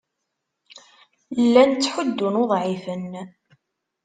Llan ttḥuddun uḍɛifen.